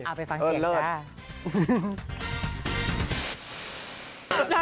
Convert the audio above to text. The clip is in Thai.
เอาไปฟังเหตุก็ได้